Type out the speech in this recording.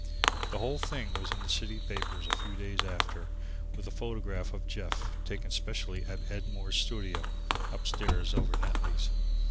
The whole thing was in the city papers a few days after with a photograph of Jeff, taken specially at Ed Moore's studio (upstairs over Netley's).